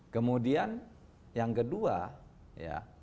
kemudian yang kedua ya